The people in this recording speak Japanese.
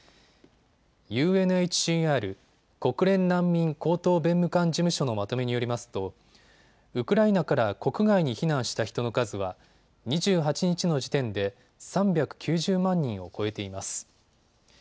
ＵＮＨＣＲ・国連難民高等弁務官事務所のまとめによりますとウクライナから国外に避難した人の数は２８日の時点で３９０万人を超えています。